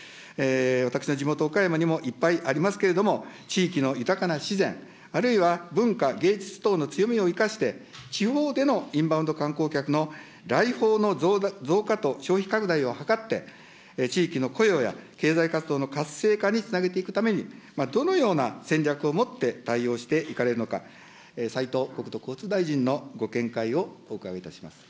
私の地元、岡山にもいっぱいありますけれども、地域の豊かな自然、あるいは文化、芸術等の強みを生かして、地方でのインバウンド観光客の来訪の増加と消費拡大を図って、地域の雇用や経済活動の活性化につなげていくために、どのような戦略を持って対応していかれるのか、斉藤国土交通大臣のご見解をお伺いいたします。